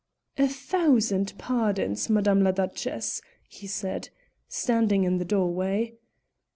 "A thousand pardons, Madame la Duchesse," he said, standing in the doorway.